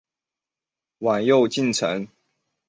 晚又进城。